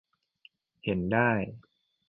เห็นได้